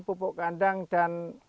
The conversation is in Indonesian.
pupuk kandang dan